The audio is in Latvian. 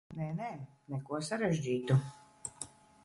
Nē, nē, neko sarežģītu.